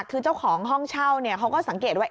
คือเจ้าของห้องเช่าเขาก็สังเกตว่า